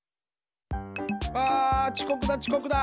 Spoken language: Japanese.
あちこくだちこくだ！